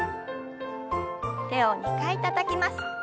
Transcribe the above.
手を２回たたきます。